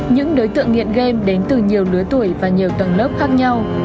những đối tượng nghiện game đến từ nhiều lứa tuổi và nhiều tầng lớp khác nhau